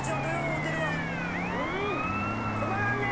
止まらんねぇ！